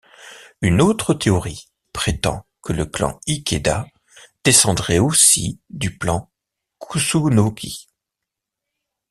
Une autre théorie prétend que le clan Ikeda descendrait aussi du clan Kusunoki.